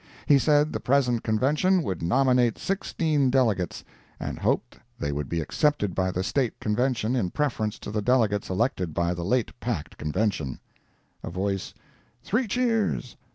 He said the present Convention would nominate sixteen delegates, and hoped they would be accepted by the State Convention in preference to the delegates elected by the late packed Convention. [A voice—"Three cheers!"